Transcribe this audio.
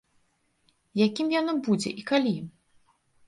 Якім яно будзе і калі?